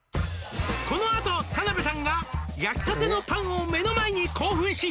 「このあと田辺さんが」「焼き立てのパンを目の前に興奮し」